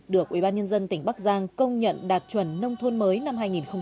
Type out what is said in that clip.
được ủy ban nhân dân tỉnh bắc giang công nhận đạt chuẩn nông thôn mới năm hai nghìn một mươi chín